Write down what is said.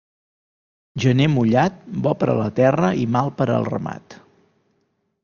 Gener mullat, bo per a la terra i mal per al ramat.